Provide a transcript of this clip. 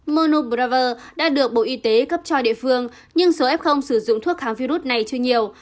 monobraver đã được bộ y tế cấp cho địa phương nhưng số f sử dụng thuốc kháng virus này chưa nhiều